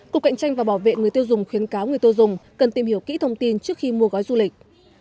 cục cạnh tranh và bảo vệ người tiêu dùng khuyến cáo người tiêu dùng cần tìm hiểu kỹ thông tin trước khi mua gói du lịch